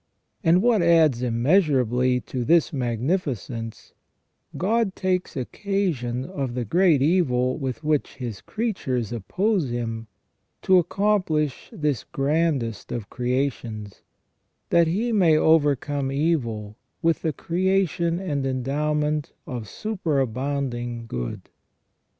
And what adds immeasurably to this magnificence, God takes occasion of the great evil with which His creatures oppose Him to accomplish this grandest of creations, that He may overcome evil with the creation and endowment of superabounding good.